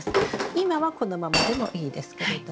今はこのままでもいいですけれども。